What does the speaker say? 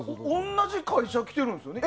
同じ会社きてるんですよね。